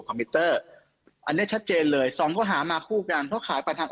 พิวเตอร์อันนี้ชัดเจนเลยสองข้อหามาคู่กันเพราะขายไปทาง